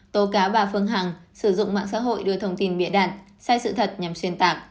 tố cáo bà phương hằng sử dụng mạng xã hội đưa thông tin bịa đặt sai sự thật nhằm xuyên tạc